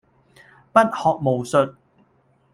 不學無術